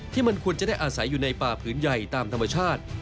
ที่มันควรจะได้อาศัยอยู่ในป่าพื้นใหญ่ตามธรรมชาติ